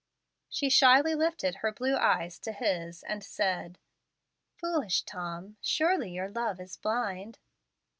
She shyly lifted her blue eyes to his, and said, "Foolish Tom, surely your love is blind."